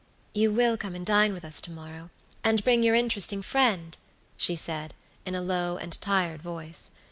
"You will come and dine with us to morrow, and bring your interesting friend?" she said, in a low and tired voice.